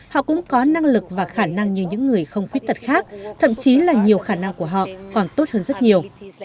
họ cũng có năng lực và khả năng như những người không khuyết tật khác thậm chí là nhiều khả năng của họ còn tốt hơn rất nhiều